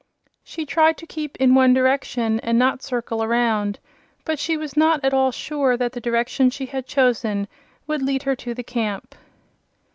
She tried to keep in one direction and not circle around, but she was not at all sure that the direction she had chosen would lead her to the camp.